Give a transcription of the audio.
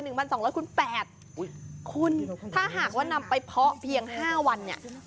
หนึ่งพันสองร้อยคูณแปดคุณถ้าหากว่านำไปเพาะเพียงห้าวันเนี่ย